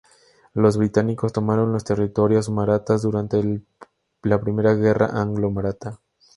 Los británicos tomaron los territorios marathas durante la Primera guerra anglo-maratha.